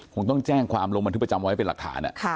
คงต้องแจ้งความลงบันทึกประจำไว้เป็นหลักฐาน